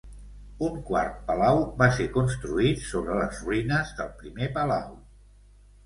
Un quart palau va ser construït sobre les ruïnes del primer palau.